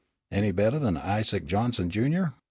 "Any bettah than Isaac Johnson, Junior?"